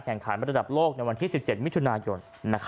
ขันระดับโลกในวันที่๑๗มิถุนายน